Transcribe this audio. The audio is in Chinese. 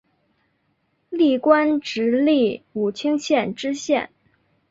历官直隶武清县知县。